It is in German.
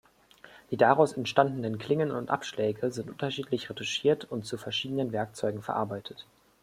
Die daraus entstandenen Klingen und Abschläge sind unterschiedlich retuschiert und zu verschiedenen Werkzeugen verarbeitet.